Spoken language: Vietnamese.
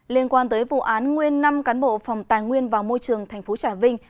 liên quan tới vụ án nguyên năm cán bộ phòng tài nguyên và môi trường tp trà vinh